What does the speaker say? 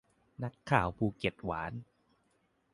นักข่าวภูเก็ตหวาน